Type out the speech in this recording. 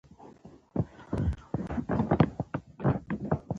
غریب د ښېګڼې محتاج وي